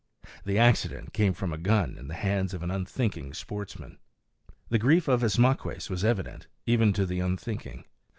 The accident came from a gun in the hands of an unthinking sportsman. The grief of Ismaques was evident, even to the unthinking.